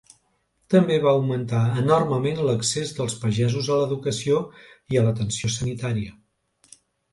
També va augmentar enormement l'accés dels pagesos a l'educació i a l'atenció sanitària.